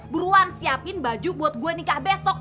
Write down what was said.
buruan siapin baju buat gue nikah besok